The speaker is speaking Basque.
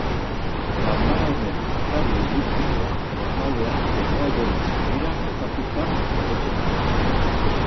Ganbara honen atari eliptikoa normalean hegoalderantz begira kokatuta egoten da.